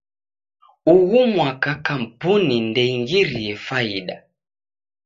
Ughu mwaka kampuni ndeingirie faida.